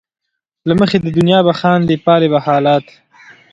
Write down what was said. له مخې د دنیا به خاندې ،پالې به حالات